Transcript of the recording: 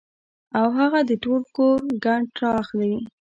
او هغه د ټول کور ګند را اخلي